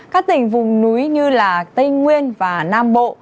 các tỉnh vùng núi như tây nguyên và nam bộ